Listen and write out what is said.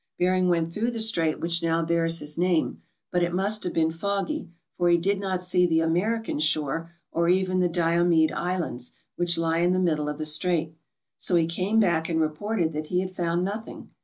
Bering went through the strait which now bears his name, but it must have been foggy, for he did not see the American shore or even the Diomede Islands, which lie in the middle of the Strait. So he came back and reported that he had found nothing.